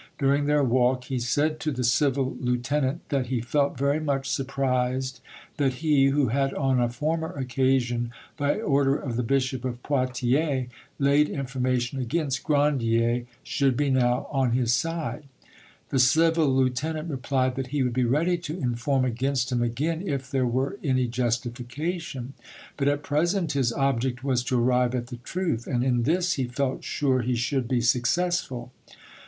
During their walk he said to the civil lieutenant that he felt very much surprised that he, who had on a former occasion, by order of the Bishop of Poitiers, laid information against Grandier should be now on his side. The civil lieutenant replied that he would be ready to inform against him again if there were any justification, but at present his object was to arrive at the truth, and in this he felt sure he should be successful.